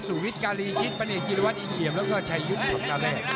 สุวิทรการีชิตประเนติกิริวัติอินเหยียมแล้วก็ชายุทธ์ของกาแรก